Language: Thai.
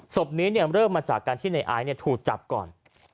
ศพนี้เริ่มมาจากการที่ในไอซ์ถูกจับก่อน